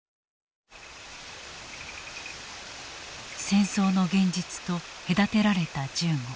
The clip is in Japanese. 戦争の現実と隔てられた銃後。